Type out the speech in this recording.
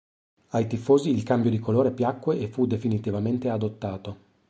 Ai tifosi il cambio di colore piacque e fu definitivamente adottato.